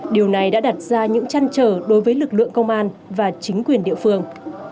điều này đã đặt ra những chăn trở đối với lực lượng công an và chính quyền địa phương